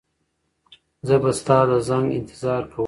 زه به ستا د زنګ انتظار کوم.